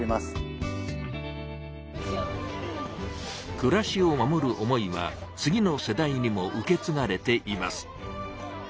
くらしを守る思いは次の世代にも受けつがれています。